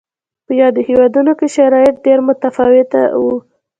په یادو هېوادونو کې شرایط ډېر متفاوت و.